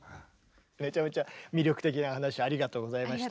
めちゃめちゃ魅力的な話ありがとうございました。